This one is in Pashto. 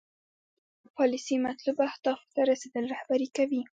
پالیسي مطلوبو اهدافو ته رسیدل رهبري کوي.